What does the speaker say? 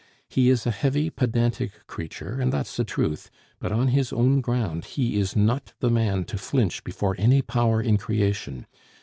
He is a heavy, pedantic creature, and that's the truth; but on his own ground, he is not the man to flinch before any power in creation....